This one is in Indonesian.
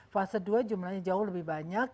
fase dua jumlahnya jauh lebih banyak